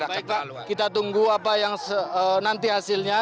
baik pak kita tunggu apa yang nanti hasilnya